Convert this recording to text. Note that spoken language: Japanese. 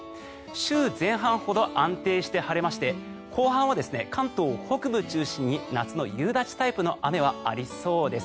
週前半ほど安定して晴れまして後半は関東北部を中心に夏の夕立タイプの雨はありそうです。